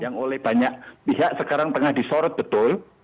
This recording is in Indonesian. yang oleh banyak pihak sekarang tengah disorot betul